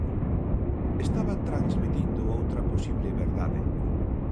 Estaba transmitindo outra posible verdade.